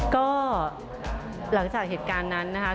ก็หลังจากเหตุการณ์นั้นนะคะ